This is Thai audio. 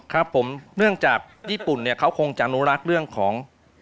ครับผมเนื่องจากญี่ปุ่นเนี่ยเขาคงจะอนุรักษ์เรื่องของ